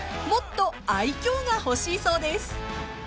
［もっと愛嬌が欲しいそうです］